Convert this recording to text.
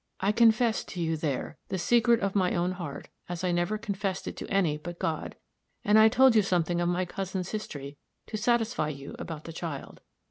I confessed to you, there, the secret of my own heart, as I never confessed it to any but God, and I told you something of my cousin's history to satisfy you about the child.